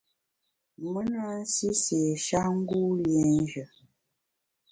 Me na nsi séé-sha ngu liénjù.